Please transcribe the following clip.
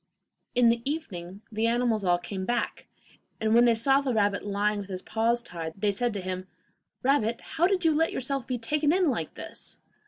In the evening the animals all came back, and when they saw the rabbit lying with his paws tied, they said to him: 'Rabbit, how did you let yourself be taken in like this?